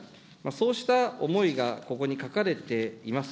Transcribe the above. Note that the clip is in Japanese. そうした思いがここに書かれています。